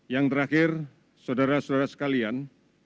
yang terakhir saudara saudara sekalian